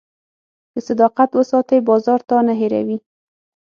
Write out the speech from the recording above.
که صداقت وساتې، بازار تا نه هېروي.